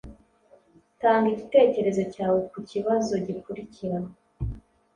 Tanga igitekerezo cyawe ku kibazo gikurikira: